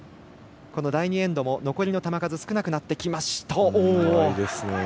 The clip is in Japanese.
第２エンドも残りの球数少なくなってきました。